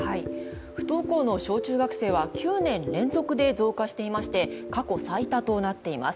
不登校の小中学生は９年連続で増加していまして過去最多となっています。